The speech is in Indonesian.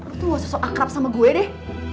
lo tuh gak susah akrab sama gue deh